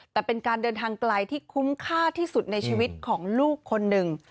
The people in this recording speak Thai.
แต่เป็นการเดินทางไกลที่คุ้มค่าที่สุดในชีวิตของลูกคนหนึ่ง